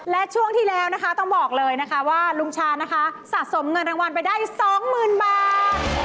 และช่วงที่แล้วนะคะต้องบอกเลยนะคะว่าลุงชานะคะสะสมเงินรางวัลไปได้๒๐๐๐บาท